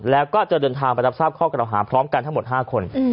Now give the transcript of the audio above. แล้วก็จะเดินทางไปรับทราบข้อกระดาวหาพร้อมกันทั้งหมด๕คน